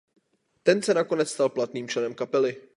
Ten se nakonec stal platným členem kapely.